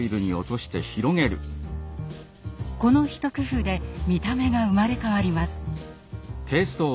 このひと工夫で見た目が生まれ変わります。